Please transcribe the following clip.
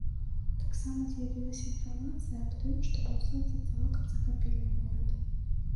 Таксама з'явілася інфармацыя аб тым, што паўстанцы цалкам захапілі горад.